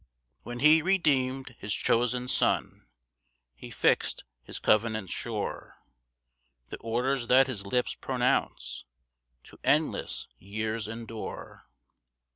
4 When he redeem'd his chosen Son, He fix'd his covenant sure: The orders that his lips pronounce To endless years endure.